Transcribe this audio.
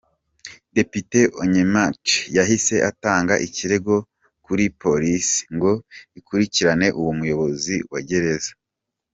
Depite Onyemaechi yahise atanga ikirego kuri polisi ngo ikurikirane uwo muyobozi wa gereza.